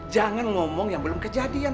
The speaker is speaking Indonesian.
jangan ngomong yang belum kejadian